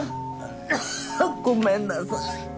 あぁ。ごめんなさい。